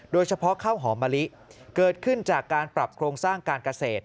ข้าวหอมมะลิเกิดขึ้นจากการปรับโครงสร้างการเกษตร